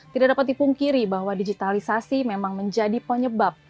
tidak dapat dipungkiri bahwa digitalisasi memang menjadi penyebab